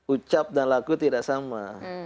ucap dan laku tidak sama